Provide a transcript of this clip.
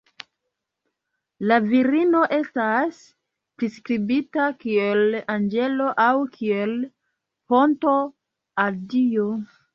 La virino estas priskribita kiel 'anĝelo' aŭ kiel 'ponto al Dio'.